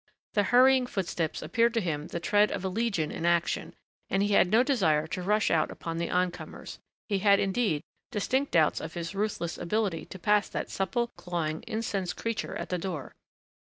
The hurrying footsteps appeared to him the tread of a legion in action, and he had no desire to rush out upon the oncomers; he had, indeed, distinct doubts of his ruthless ability to pass that supple, clawing, incensed creature at the door.